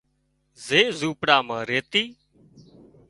زي زونپڙا مان ريتِي